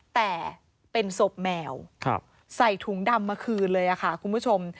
แต่เป็นศพแมวใส่ถุงดำมาคืนเลยค่ะคุณผู้ชม